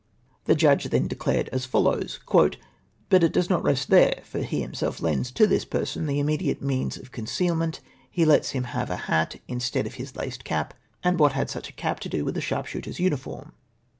The judge then declared as follows :—" But it does not rest there ; for he hhnself lends to this person the immediate means of concealment, — he lets him have a hat instead of his laced cap ; and ichat had such a cap to do icith a sharpshooters uniform